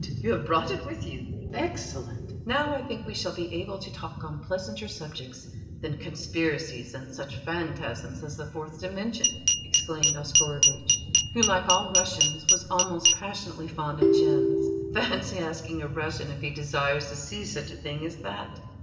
you have brought it with you! Excellent! Now I think we shall be able to talk on pleasanter subjects than conspiracies and such phantasms as the Fourth Dimension!" exclaimed Oscarovitch, who, like all Russians, was almost passionately fond of gems. "Fancy asking a Russian if he desires to see such a thing as that!"